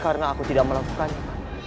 karena aku tidak melakukan itu